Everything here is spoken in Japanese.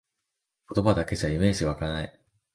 言葉だけじゃイメージわかない